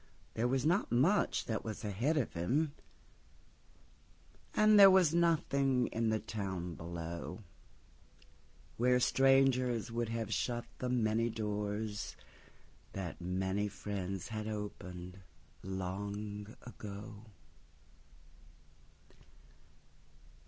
There was not much that was ahead of him, And there was nothing in the town below—Where strangers would have shut the many doorsThat many friends had opened long ago.